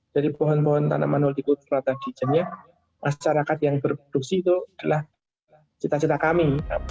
dari pohon pohon tanaman hoki itu masyarakat yang berproduksi itu adalah cita cita kami